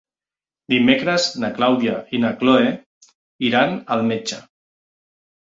Dimecres na Clàudia i na Cloè iran al metge.